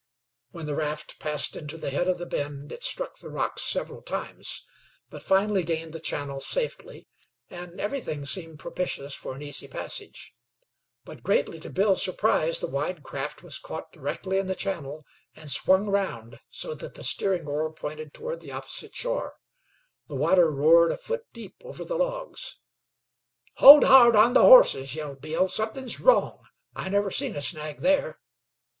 When the raft passed into the head of the bend it struck the rocks several times, but finally gained the channel safely, and everything seemed propitious for an easy passage. But, greatly to Bill's surprise, the wide craft was caught directly in the channel, and swung round so that the steering oar pointed toward the opposite shore. The water roared a foot deep over the logs. "Hold hard on the horses!" yelled Bill. "Somethin's wrong. I never seen a snag here."